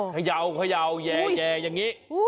เขย่าเขย่าแย่แย่อย่างนี้